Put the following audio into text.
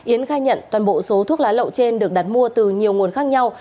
yến khai nhận toàn bộ số thuốc lá lậu trên được đặt mua từ nhiều nguồn khác nhau